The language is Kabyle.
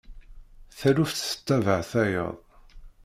Taluft tettabaε tayeḍ.